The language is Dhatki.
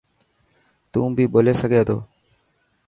تون بي ٻولي سگھي ٿو.